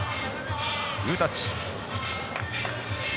グータッチ。